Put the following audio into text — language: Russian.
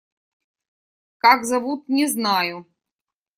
Как зовут, не знаю.